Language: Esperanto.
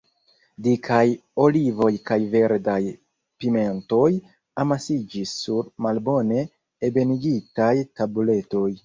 Dikaj olivoj kaj verdaj pimentoj amasiĝis sur malbone ebenigitaj tabuletoj.